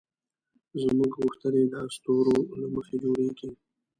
زموږ غوښتنې د اسطورو له مخې جوړېږي.